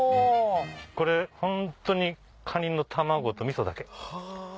これホントにカニの卵とみそだけ。